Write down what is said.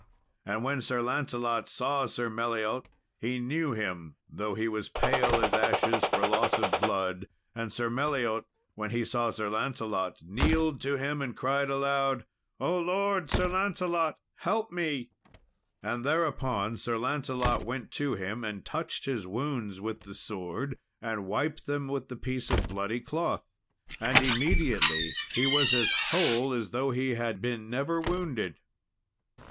And when Sir Lancelot saw Sir Meliot, he knew him, though he was pale as ashes for loss of blood. And Sir Meliot, when he saw Sir Lancelot, kneeled to him and cried aloud, "O lord, Sir Lancelot! help me!" And thereupon, Sir Lancelot went to him and touched his wounds with the sword, and wiped them with the piece of bloody cloth. And immediately he was as whole as though he had been never wounded.